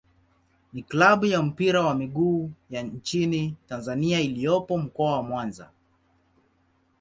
ni klabu ya mpira wa miguu ya nchini Tanzania iliyopo Mkoa wa Mwanza.